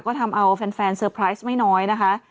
ก็ทำเอาแฟนเตอร์ไพรส์ไม่น้อยนะคะ